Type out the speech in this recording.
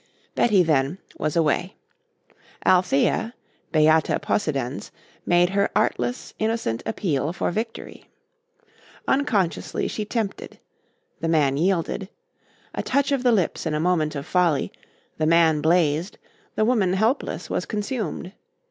Betty, then, was away. Althea, beata possidens, made her artless, innocent appeal for victory. Unconsciously she tempted. The man yielded. A touch of the lips in a moment of folly, the man blazed, the woman helpless was consumed.